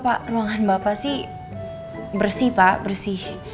pak ruangan bapak sih bersih pak bersih